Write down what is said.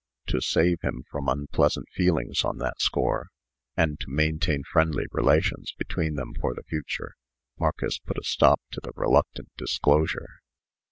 To save him from unpleasant feelings on that score, and to maintain friendly relations between them for the future, Marcus put a stop to the reluctant disclosure.